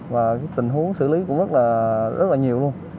và tình huống xử lý cũng rất là nhiều luôn